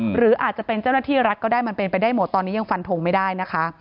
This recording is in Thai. หรืออาจจะเป็นเจ้าหน้าที่รัฐก็ได้มันเป็นไปได้หมดตอนนี้ยังฟันทงไม่ได้นะคะ